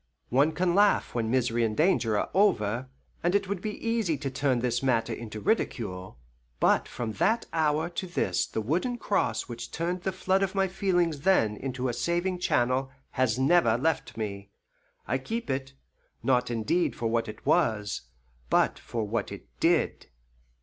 One can laugh when misery and danger are over, and it would be easy to turn this matter into ridicule, but from that hour to this the wooden cross which turned the flood of my feelings then into a saving channel has never left me. I keep it, not indeed for what it was, but for what it did.